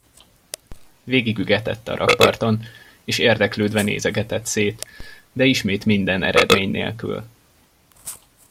Végigügetett a rakparton, és érdeklődve nézegetett szét, de ismét minden eredmény nélkül.